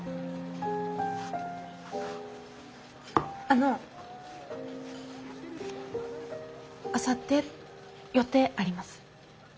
あのあさって予定あります？